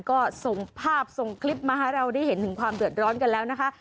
ก็ส่งภาพส่งคลิปมาให้เราได้เห็นถึงความเดือดร้อนกันแล้วนะคะ